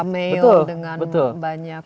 male betul dengan banyak